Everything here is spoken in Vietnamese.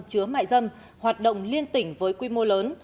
chứa mại dâm hoạt động liên tỉnh với quy mô lớn